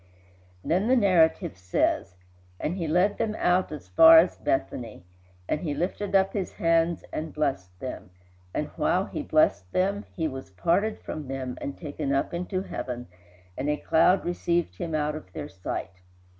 Then the narrative says: "And he led them out as far as Bethany; and he lifted up his hands and blessed them, and while he blessed them he was parted from them and taken up into heaven; and a cloud received him out of their sight.